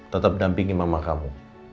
tetap dampingi mama kamu